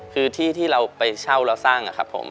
คือที่ที่เราไปเช่าแล้วสร้างครับผม